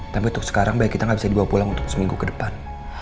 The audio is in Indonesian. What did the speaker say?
tapi untuk sekarang baik kita nggak bisa dibawa pulang untuk seminggu ke depan